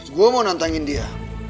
gue mau nantangin dia